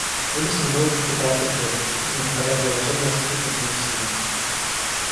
Эдисон долго скитался в бедности, не находя приложения скрытым в нем силам.